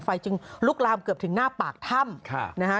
จึงลุกลามเกือบถึงหน้าปากถ้ำนะฮะ